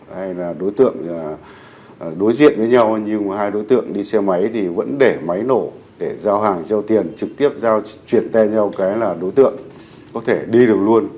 hay là đối tượng đối diện với nhau nhưng hai đối tượng đi xe máy thì vẫn để máy nổ để giao hàng giao tiền trực tiếp chuyển tay nhau cái là đối tượng có thể đi được luôn